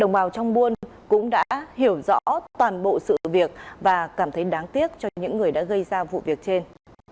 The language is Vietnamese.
đồng bào trong buôn cũng đã hiểu rõ toàn bộ sự việc và cảm thấy đáng tiếc cho những người đã gây ra vụ việc trên